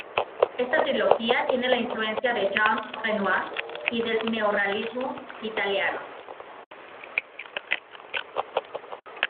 Esta trilogía tiene la influencia de Jean Renoir y del neorrealismo italiano.